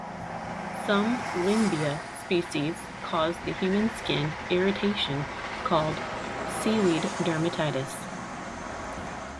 Some "Lyngbya" species cause the human skin irritation called seaweed dermatitis.